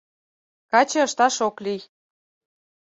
Каче ышташ ок лий.